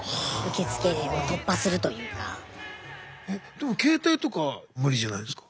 でも携帯とか無理じゃないですか。